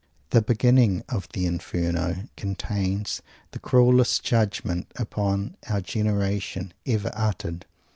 The beginning of the Inferno contains the cruellest judgment upon our generation ever uttered.